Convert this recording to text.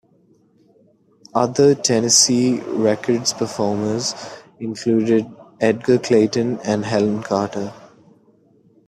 Other Tennessee Records performers included Edgar Clayton and Helen Carter.